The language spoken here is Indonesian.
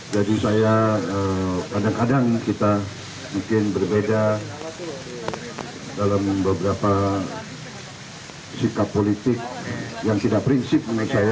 jadi saya kadang kadang kita mungkin berbeda dalam beberapa sikap politik yang tidak prinsip menurut saya